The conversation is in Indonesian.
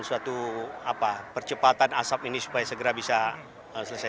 suatu percepatan asap ini supaya segera bisa selesai